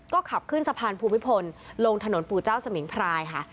ก็ขับขึ้นสะพานภูมิพลลงถนนปู่เจ้าสมิงพรายค่ะ